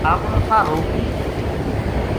اپنو ساہ روک لیو